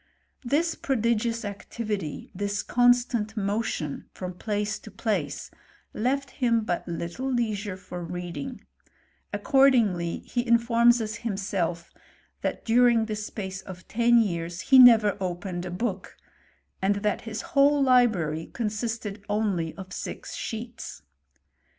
This prodi gious activity, this constant motion from place to place, leit him but little leisure for reading : accordingly he i^forqcis us himself, that during the space of ten years he never opened a book, and that his whole library consisted only of six sheets.